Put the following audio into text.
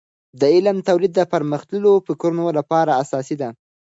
د علم تولید د پرمختللیو فکرونو لپاره اساسي ده.